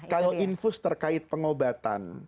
kalau infus terkait pengobatan